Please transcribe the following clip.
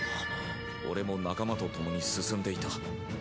俺も仲間とともに進んでいた。